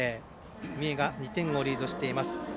三重が２点をリードしています。